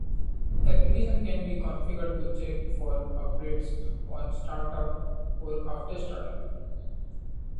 Applications can be configured to check for updates on startup or after startup.